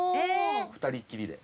２人っきりで。